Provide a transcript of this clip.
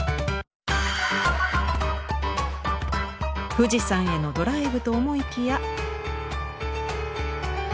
富士山へのドライブと思いきや。